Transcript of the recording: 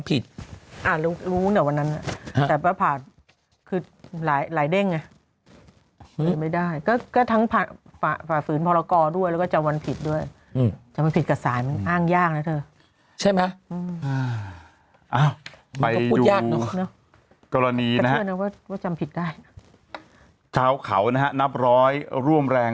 ติดลงนะติดติดติดติดติดติดติดติดติดติดติดติดติดติดติดติดติดติดติดติดติดติดติดติดติดติดติดติดติดติดติดติดติดติดติดติดติดติดติดติดติดติดติดติดติดติดติดติดติดติดติดติดติดติ